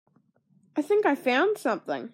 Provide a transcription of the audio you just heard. I think I found something.